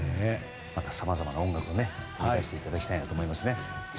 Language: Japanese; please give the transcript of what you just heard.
さまざまな音楽を生み出していただきたいですね。